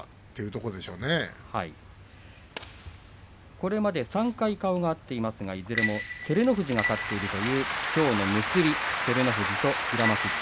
これまで３回顔が合っていますがいずれも照ノ富士が勝っているというきょうの結び、照ノ富士と平幕霧